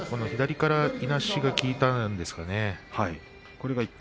左からいなしが効いたんですよね。